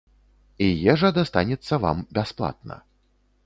І ежа дастанецца вам бясплатна.